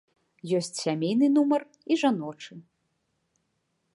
Ёсць сямейны нумар і жаночы.